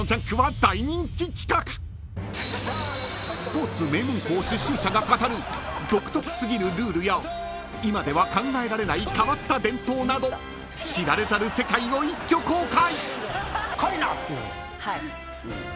［スポーツ名門校出身者が語る独特すぎるルールや今では考えられない変わった伝統など知られざる世界を一挙公開！］